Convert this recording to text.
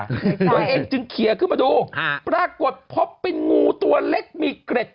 โดยเองจึงเคียร์ขึ้นมาดูปรากฏเพราะเป็นงูตัวเล็กมีเกร็ด